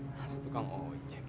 masa tukang ojek